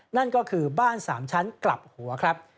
นั่นก็คือบ้าน๓ชั้นกลับหัวครับ